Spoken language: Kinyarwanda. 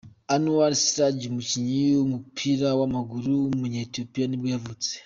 Anwar Siraj, umukinnyi w’umupira w’amamguru w’umunya Ethiopia nibwo yavutse.